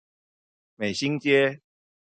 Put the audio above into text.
美興街